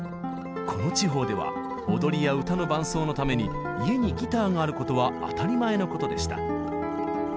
この地方では踊りや歌の伴奏のために家にギターがあることは当たり前のことでした。